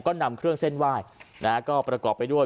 ก็นำเครื่องเส้นไหว้นะฮะก็ประกอบไปด้วย